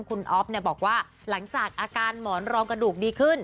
คุณอ๊อฟบอกว่าหลังจากอาการหมอนรองกระดูกดีขึ้น